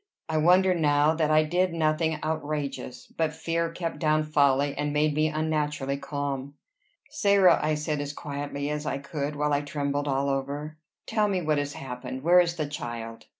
I wonder now that I did nothing outrageous; but fear kept down folly, and made me unnaturally calm. "Sarah," I said, as quietly as I could, while I trembled all over, "tell me what has happened. Where is the child?"